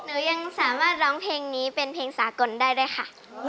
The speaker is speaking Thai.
หนูยังสามารถร้องเพลงนี้เป็นเพลงสากลได้ด้วยค่ะ